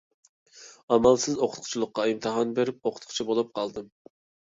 ئامالسىز ئوقۇتقۇچىلىققا ئىمتىھان بېرىپ، ئوقۇتقۇچى بولۇپ قالدىم.